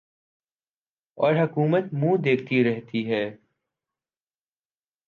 اور حکومت منہ دیکھتی رہتی ہے